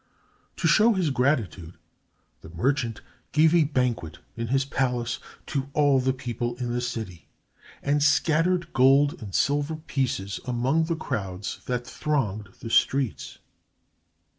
To show his gratitude, the merchant gave a banquet in his palace to all the people in the city and scattered gold and silver pieces among the crowds that thronged the streets.